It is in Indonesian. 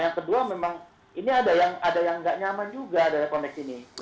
yang kedua memang ini ada yang nggak nyaman juga dalam konteks ini